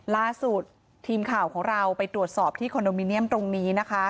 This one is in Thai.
ล่าสุดทีมข่าวของเราไปตรวจสอบที่คอนโดมิเนียมตรงนี้นะคะ